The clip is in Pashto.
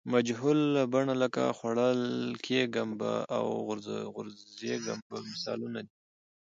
مجهول بڼه لکه خوړل کیږم به او غورځېږم به مثالونه دي.